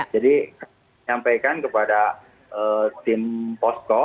jadi menyampaikan kepada tim posko